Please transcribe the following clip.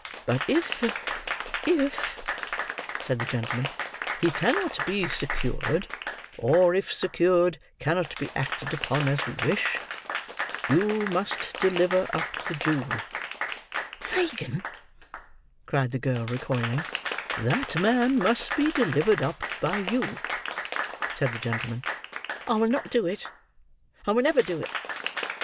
But if—if—" said the gentleman, "he cannot be secured, or, if secured, cannot be acted upon as we wish, you must deliver up the Jew." "Fagin," cried the girl, recoiling. "That man must be delivered up by you," said the gentleman. "I will not do it! I will never do it!"